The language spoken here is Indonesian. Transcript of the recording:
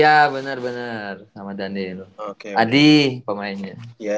ya bener bener sama daniel adi pemainnya